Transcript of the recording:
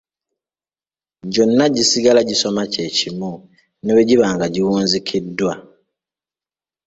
Gyonna gisigala gisoma kye kimu ne bwe giba nga giwunzikiddwa.